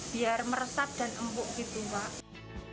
biar meresap dan empuk gitu pak